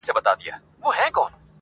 هغه به چيري اوسي باران اوري، ژلۍ اوري.